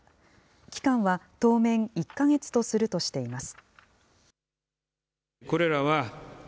期間は当面１か月とするとしています。